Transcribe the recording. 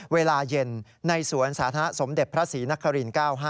เวลาเย็นในสวนสาธารณะสมเด็จพระศรีนคริน๙๕